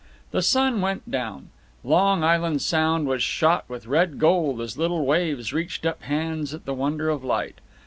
The sun went down; Long Island Sound was shot with red gold as little waves reached up hands at the wonder of light.